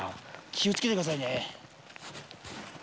気をつけてくださいね。